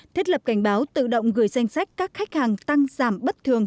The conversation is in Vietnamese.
thiết lập cảnh báo tự động gửi danh sách các khách hàng tăng giảm bất thường